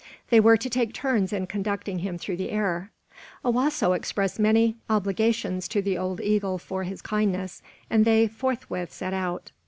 They were to take turns in conducting him through the air. Owasso expressed many obligations to the old eagle for his kindness, and they forthwith set out.